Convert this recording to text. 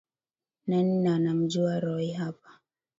Nani anamjua Roy hapa